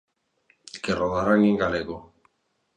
Que rodarán en galego.